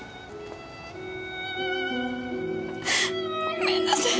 ごめんなさい。